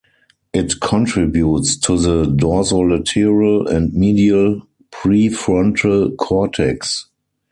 It contributes to the dorsolateral and medial prefrontal cortex.